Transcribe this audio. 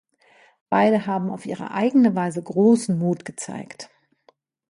Beide haben auf ihre eigene Weise großen Mut gezeigt.